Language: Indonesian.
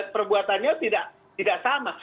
perbuatannya tidak sama